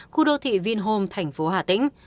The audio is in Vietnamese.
khu đô thị vinhome thành phố hà tĩnh